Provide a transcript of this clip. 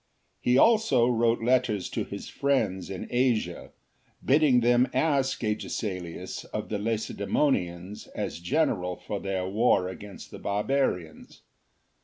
He also wrote letters to his friends in Asia, bidding them ask Agesilaiis of the Lacedaemonians as general for their. war against the Barbarians.